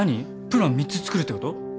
プラン３つ作るってこと？